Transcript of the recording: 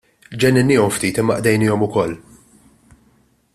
Ġenninniehom ftit imma qdejniehom ukoll.